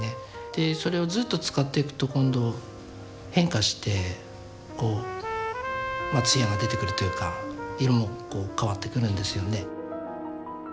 でそれをずっと使っていくと今度変化してこう艶が出てくるというか色もこう変わってくるんですよね。